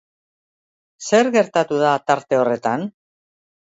Zer gertatu da tarte horretan?